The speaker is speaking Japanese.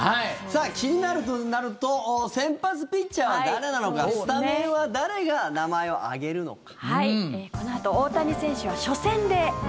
気になるのは先発ピッチャーが誰なのかスタメンは誰が名前を挙げるのか。